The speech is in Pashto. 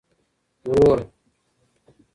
ورور